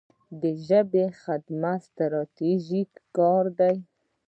د ژبې خدمت ستراتیژیک کار دی.